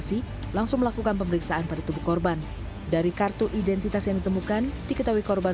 silakan menghubungi kami di kosek kembangan jakarta barat